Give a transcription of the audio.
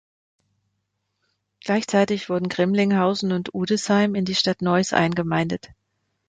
Gleichzeitig wurden Grimlinghausen und Uedesheim in die Stadt Neuss eingemeindet.